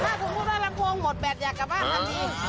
ถ้าคุณพูดว่าลำโพงหมดแบดอยากกลับบ้านอันนี้